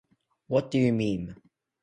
What Do You Meme?